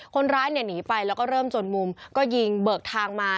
คนร้ายเนี่ยหนีไปแล้วก็เริ่มจนมุมก็ยิงเบิกทางมา